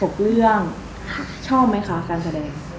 ไข่ชมมั้ยค่ะการแสดง